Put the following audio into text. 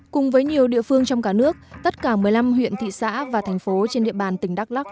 cùng với nhiều địa phương trong cả nước tất cả một mươi năm huyện thị xã và thành phố trên địa bàn tỉnh đắk lắc